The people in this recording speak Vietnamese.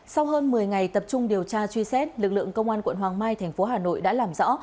sau hơn một mươi ngày tập trung điều tra truy xét lực lượng công an quận hoàng mai thành phố hà nội đã làm rõ